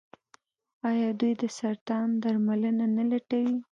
آیا دوی د سرطان درملنه نه لټوي؟